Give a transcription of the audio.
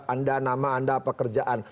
anda nama anda pekerjaan